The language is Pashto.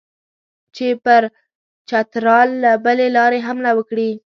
چې پر چترال له بلې لارې حمله وکړي.